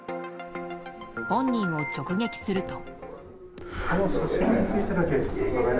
本人を直撃すると。